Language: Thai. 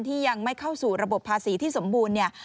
ที่ยังไม่เข้าสู่ระบบภาษีที่สมบูรณ์เนี่ย